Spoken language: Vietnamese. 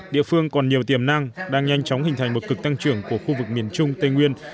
địa phương còn nhiều tiềm năng đang nhanh chóng hình thành một cực tăng trưởng của khu vực miền trung tây nguyên